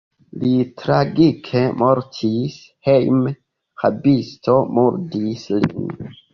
Li tragike mortis: hejme rabisto murdis lin.